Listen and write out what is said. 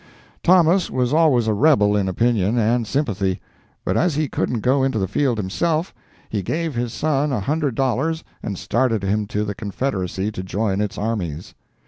Thomas was always a rebel in opinion and sympathy, but as he couldn't go into the field himself, he gave his son a hundred dollars and started him to the Confederacy to join its armies.